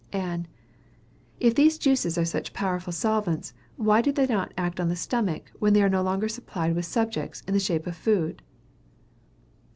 Ann. If these juices are such powerful solvents, why do they not act on the stomach, when they are no longer supplied with subjects in the shape of food?